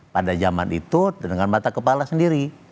pada zaman itu dengan mata kepala sendiri